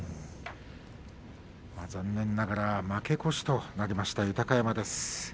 残念ながら負け越しとなりました豊山です。